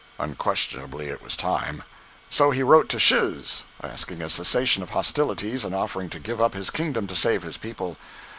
Unquestionably it was time. So he wrote to Shiz, asking a cessation of hostilities, and offering to give up his kingdom to save his people.